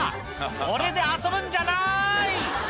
「俺で遊ぶんじゃない！」